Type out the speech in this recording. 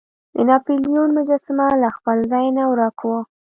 د ناپلیون مجسمه له خپل ځای نه ورک وه.